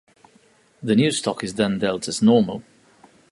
The new stock is then dealt as normal.